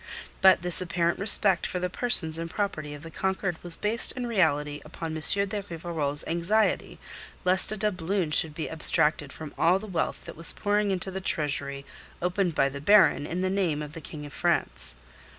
But this apparent respect for the persons and property of the conquered was based in reality upon M. de Rivarol's anxiety lest a doubloon should be abstracted from all the wealth that was pouring into the treasury opened by the Baron in the name of the King of France.